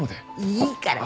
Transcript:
いいから。